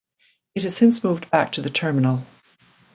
It has since moved back to the Terminal.